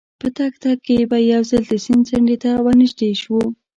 په تګ تګ کې به یو ځل د سیند څنډې ته ډېر ورنژدې شوو.